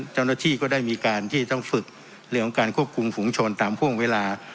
เจ้าหน้าที่ก็ได้มีการที่ต้องฝึกเรื่องของการควบคุมฝุงชนตามห่วงเวลา